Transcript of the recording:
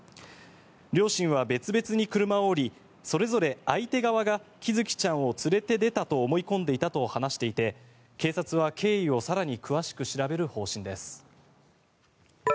両親は別々に車を降りそれぞれ相手側が喜寿生ちゃんを連れて出たと思い込んでいたと話していて警察は経緯を更に詳しく調べる方針です。